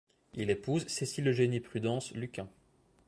Il épouse Cécile-Eugénie-Prudence Lucquin.